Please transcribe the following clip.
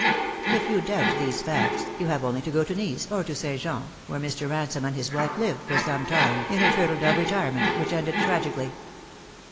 If you doubt these facts, you have only to go to Nice, or to St. Jean, where Mr. Ransome and his wife lived for some time in a turtle dove retirement, which ended tragically.